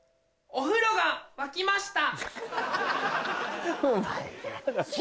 お風呂が沸きました。